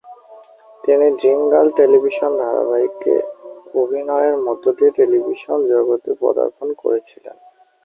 তিনি "Dream Girl" television ধারাবাহিকে অভিনয়ের মধ্য দিয়ে টেলিভিশন জগতে পদার্পণ করেছিলেন।